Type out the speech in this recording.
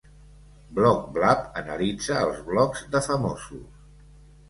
"Blog Blab" analitza els blogs de famosos.